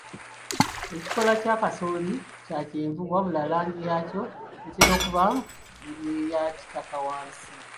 Ekikoola kya kasooli kya kyenvu wabula langi yaakyo etera okuba eya kitaka wansi.